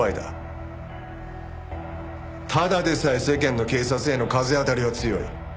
ただでさえ世間の警察への風当たりは強い。